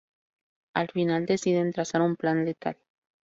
Al final deciden trazar un plan letal.